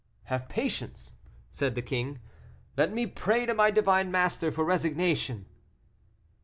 "Have patience," said the king; "let me pray to my divine Master for resignation."